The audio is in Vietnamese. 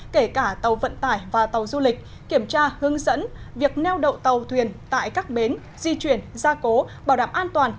kể cả tàu vận tải và tàu du lịch kiểm tra hướng dẫn việc neo đậu tàu thuyền tại các bến di chuyển gia cố bảo đảm an toàn